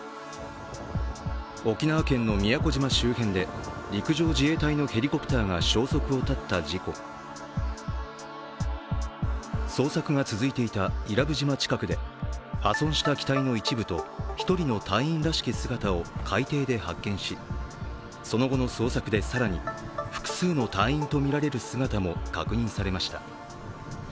沖縄県の宮古島周辺で陸上自衛隊のヘリコプターが消息を絶った事故捜索が続いていた伊良部島近くで、破損した機体の一部と１人の隊員らしき姿を海底で発見しその後の捜索で更に、更に複数の隊員とみられる姿も確認されました。